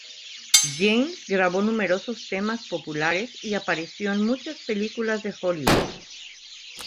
James grabó numerosos temas populares y apareció en muchas películas de Hollywood.